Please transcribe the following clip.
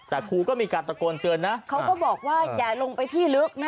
แต่ครูก็มีการตะโกนเตือนนะเขาก็บอกว่าอย่าลงไปที่ลึกนะ